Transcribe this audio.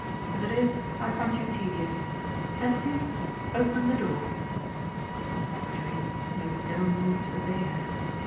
As it is I find you tedious. Hentzi, open the door." The secretary made no move to obey her.